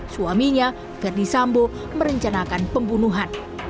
suaminya verdi sambo merencanakan pembunuhan